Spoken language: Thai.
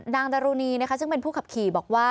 นางตรูนีนะคะซึ่งเป็นผู้ขับขี่บอกว่า